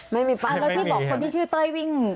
ไม่มีป้ายแล้วที่บอกคนที่ชื่อเต้ยวิ่ง